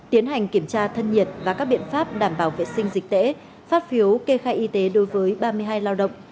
tiến hành kiểm tra thân nhiệt và các biện pháp đảm bảo vệ sinh dịch tễ phát phiếu kê khai y tế đối với ba mươi hai lao động